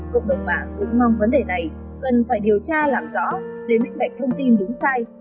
cộng đồng mạng cũng mong vấn đề này cần phải điều tra làm rõ để minh bạch thông tin đúng sai